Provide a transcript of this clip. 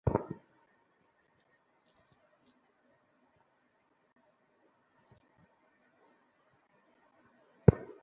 যে দীপটি এই প্রথম দীপের শিখা হইতে প্রজ্বলিত হয়, সে শিষ্য।